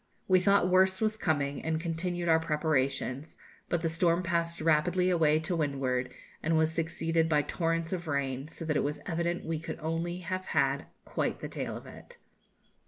We thought worse was coming, and continued our preparations; but the storm passed rapidly away to windward, and was succeeded by torrents of rain, so that it was evident we could only have had quite the tail of it.